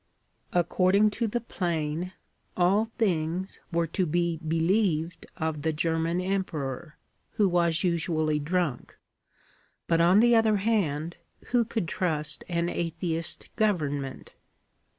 According to the plain, all things were to be believed of the German Emperor, who was usually drunk; but, on the other hand, who could trust an atheist government?